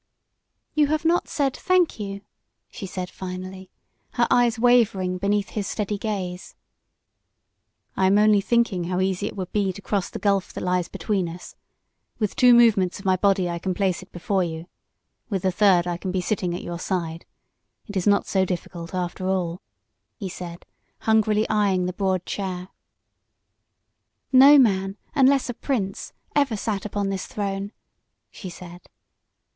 "You have not said, 'Thank you,'" she said, finally, her eyes wavering beneath his steady gaze. "I am only thinking how easy it would be to cross the gulf that lies between us. With two movements of my body I can place it before you, with a third I can be sitting at your side. It is not so difficult after all," he said, hungrily eyeing the broad chair. "No man, unless a prince, ever sat upon this throne," she said.